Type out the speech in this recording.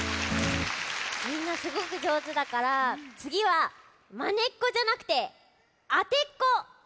みんなすごくじょうずだからつぎはマネっこじゃなくてあてっこをやるよ。